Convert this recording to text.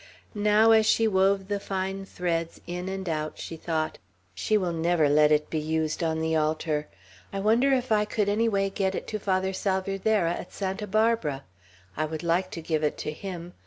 Now, as she wove the fine threads in and out, she thought: "She will never let it be used on the altar. I wonder if I could any way get it to Father Salvierderra, at Santa Barbara. I would like to give it to him.